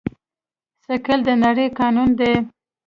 ثقل د نړۍ قانون دی.